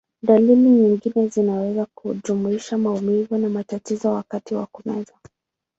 Dalili nyingine zinaweza kujumuisha maumivu na matatizo wakati wa kumeza.